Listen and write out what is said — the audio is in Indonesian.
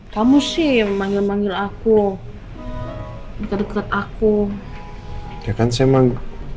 kamu sih memanggil manggil aku deket deket aku ya kan semang